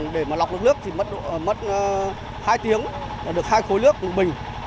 để mà lọc nước nước thì mất hai tiếng được hai khối nước bình